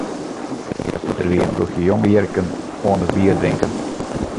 Der wie in ploechje jonges bolbjirken oan it bierdrinken.